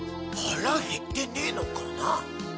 ハラへってねえのかな？